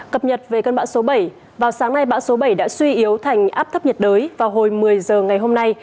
cập nhật về cơn bão số bảy vào sáng nay bão số bảy đã suy yếu thành áp thấp nhiệt đới vào hồi một mươi giờ ngày hôm nay